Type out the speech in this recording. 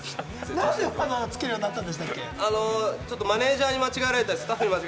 何でつけるようになったんでしたっけ？